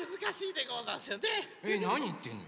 えなにいってんの？